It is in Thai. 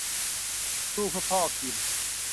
สู้เพื่อพ่อคิม !